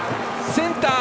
センター